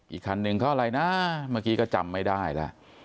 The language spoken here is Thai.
อีกคันหนึ่งเขาอะไรนะเมื่อกี้ก็จำไม่ได้แล้ว